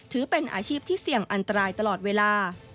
ถือเป็นอาชีพที่เสี่ยงอันตรายตลอดเวลา